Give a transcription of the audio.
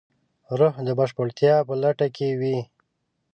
روح د بشپړتیا په لټه کې وي.